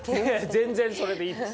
全然それでいいです。